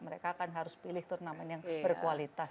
mereka akan harus pilih turnamen yang berkualitas